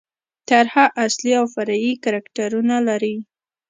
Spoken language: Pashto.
طرحه اصلي او فرعي کرکټرونه لري.